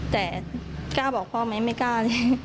แต่ก้าบอกพ่อมั้ยไม่ก้าใน